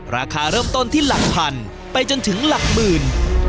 ราคาเริ่มต้นที่หลักพันไปจนถึงหลักหมื่น